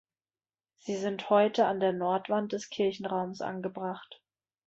Sie sind heute an der Nordwand des Kirchenraums angebracht.